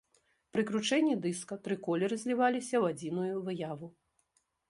Пры кручэнні дыска тры колеры зліваліся ў адзіную выяву.